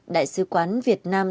đại sứ quán việt nam